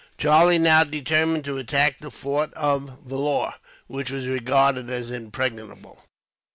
Charlie now determined to attack the fort of Vellore, which was regarded as impregnable.